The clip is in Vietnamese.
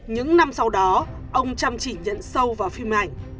những năm sau đó ông chăm chỉ nhận sâu vào phim ảnh